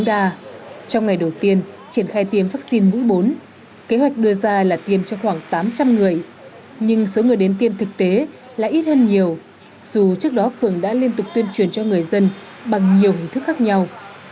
trong ngày đầu tiên triển khai tiêm vaccine mũi bốn kế hoạch đưa ra là tiêm cho khoảng tám trăm linh người nhưng số người đến tiêm thực tế lại ít hơn nhiều dù trước đó phường đã liên tục tuyên truyền cho người dân bằng nhiều hình thức khác nhau